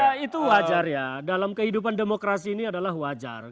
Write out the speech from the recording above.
ya itu wajar ya dalam kehidupan demokrasi ini adalah wajar